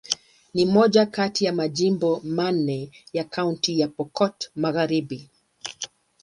Ni moja kati ya majimbo manne ya Kaunti ya Pokot Magharibi.